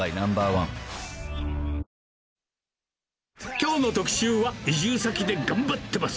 きょうの特集は、移住先で頑張っています。